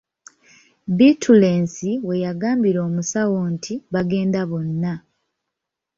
Bittulensi we yagambira omusawo nti bagende bonna